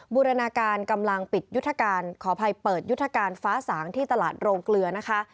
บูรณาการกำลังปิดยุทธการขออภัยเปิดยุทธการฟ้าสางที่ตลาดโรงเกลือนะคะ